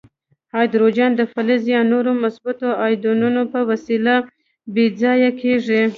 هایدروجن د فلز یا نورو مثبتو آیونونو په وسیله بې ځایه کیږي.